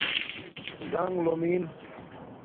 زنݣ لُومن